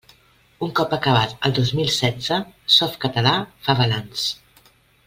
Un cop acabat el dos mil setze, Softcatalà fa balanç.